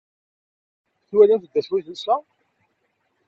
Twalamt d acu i telsa?